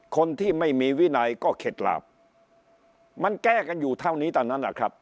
คนที่ไม่มีวินัยก็เข็ดหลาบมันแก้กันอยู่เท่านี้ตอนนั้นนะครับ